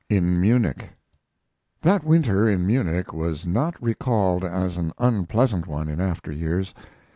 IN MUNICH That winter in Munich was not recalled as an unpleasant one in after years.